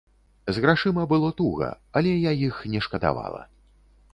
З грашыма было туга, але я іх не шкадавала.